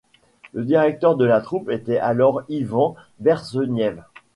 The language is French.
Le directeur de la troupe était alors Ivan Berseniev.